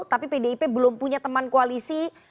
tapi pdip belum punya teman koalisi